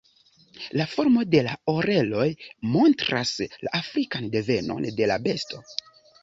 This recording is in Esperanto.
La formo de la oreloj montras la afrikan devenon de la besto.